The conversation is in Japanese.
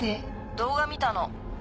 動画見たの。